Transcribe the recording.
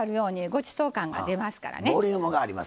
ごちそう感が出ますからね。